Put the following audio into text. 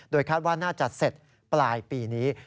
คาดว่าน่าจะเสร็จปลายปีนี้